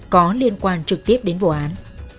có liên quan trực tiếp đến vụ án